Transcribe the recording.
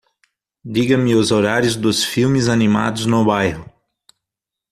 Diga-me os horários dos filmes animados no bairro.